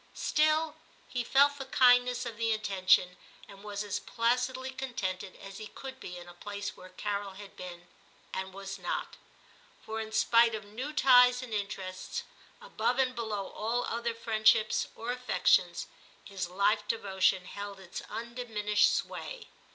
Still he felt the kindness of the intention, and was as placidly contented as he could be in a place where Carol had been, and was not; for in spite of new ties and interests, above and below all other friend ships or affections, his life devotion held its undiminished sway.